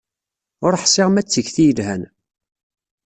Ur ḥṣiɣ ma d tikti yelhan.